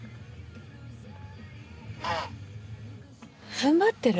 ふんばってる？